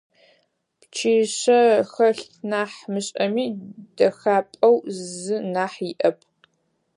Пчъишъэ хэлъ нахь мышӀэми, дэхьапӀэу зы нахь иӀэп.